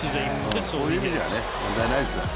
そういう意味では問題ないですよ。